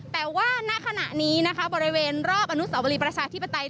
แต่ว่าณขณะนี้นะคะบริเวณรอบอนุสาวรีประชาธิปไตย